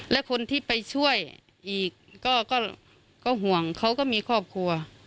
และคนที่ไปช่วยอีกก็ห่วงเขาก็มีครอบครัว